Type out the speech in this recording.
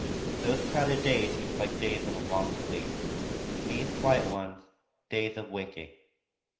Those crowded days seemed days of a long sleep; these quiet ones, days of waking.